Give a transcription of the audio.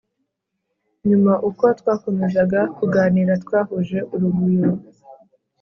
Nyuma uko twakomezaga kuganira twahuje urugwiro